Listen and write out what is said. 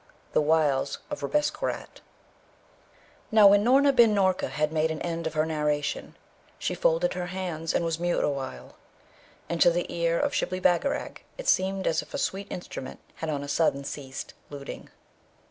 THE WILES OF RABESQURAT Now, when Noorna bin Noorka had made an end of her narration, she folded her hands and was mute awhile; and to the ear of Shibli Bagarag it seemed as if a sweet instrument had on a sudden ceased luting.